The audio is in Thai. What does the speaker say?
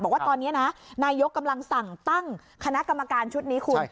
บอกว่าตอนนี้นะนายกกำลังสั่งตั้งคณะกรรมการชุดนี้คุณ